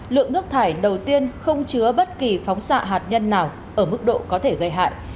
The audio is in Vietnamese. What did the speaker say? lượng nước thải đầu tiên không chứa bất kỳ phóng xạ hạt nhân nào ở mức độ có thể gây hại